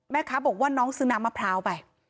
แม่ค้าบอกว่าน้องซื้อน้ำมะพร้าวไป